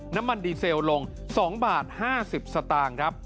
น้ำมันดีเซลลง๒บาท๕๐สตางค์ครับ